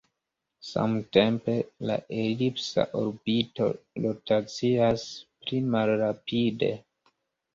Samtempe, la elipsa orbito rotacias pli malrapide.